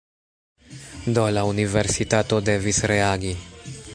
Do, la universitato devis reagi